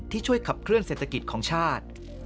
ช่วยขับเคลื่อเศรษฐกิจของชาติ